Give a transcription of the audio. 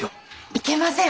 いけません。